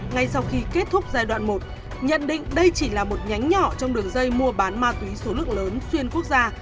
ngay sau khi kết thúc giai đoạn một nhận định đây chỉ là một nhánh nhỏ trong đường dây mua bán ma túy số lượng lớn xuyên quốc gia